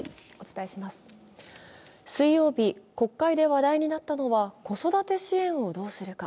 水曜日、国会で話題になったのは子育て支援をどうするか。